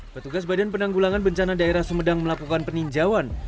petugas badan penanggulangan bencana daerah sumedang melakukan peninjauan